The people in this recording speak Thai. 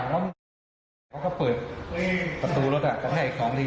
เขาก็เปิดประตูรถกระแทกสองที